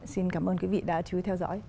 xin cảm ơn quý vị đã chú ý theo dõi